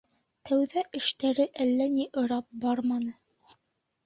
Тәүҙә эштәре әллә ни ырап барманы.